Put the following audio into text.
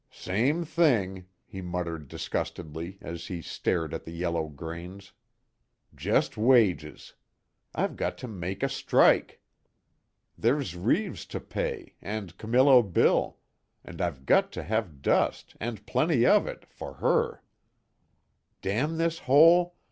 "Same thing," he muttered disgustedly, as he stared at the yellow grains, "Just wages. I've got to make a strike! There's Reeves to pay and Camillo Bill and I've got to have dust and plenty of it for her. Damn this hole!